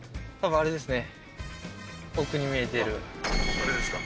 あれですか？